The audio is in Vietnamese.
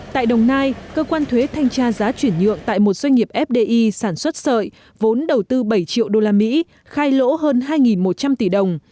tại đồng nai cơ quan thuế thanh tra giá chuyển nhượng tại một doanh nghiệp fdi sản xuất sợi vốn đầu tư bảy triệu usd khai lỗ hơn hai một trăm linh tỷ đồng